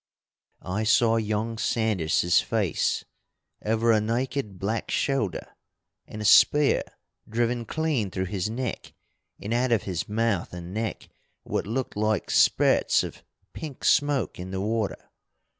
"I saw young Sanders's face, over a naked black shoulder, and a spear driven clean through his neck, and out of his mouth and neck what looked like spirts of pink smoke in the water.